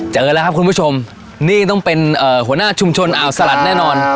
เจอแล้วครับคุณผู้ชมนี่ต้องเป็นหัวหน้าชุมชนอ่าวสลัดแน่นอน